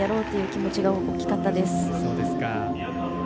気持ちが大きかったです。